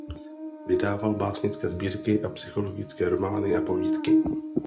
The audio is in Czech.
Vydával básnické sbírky a psychologické romány a povídky.